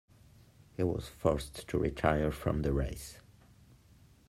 He was forced to retire from the race.